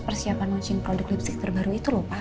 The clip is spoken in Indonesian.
persiapan launching produk lipstick terbaru itu loh pak